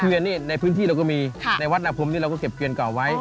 เวียนนี่ในพื้นที่เราก็มีในวัดนาพรมนี่เราก็เก็บเกวียนเก่าไว้